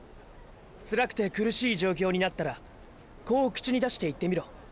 辛くて苦しい状況になったらこう口に出して言ってみろ。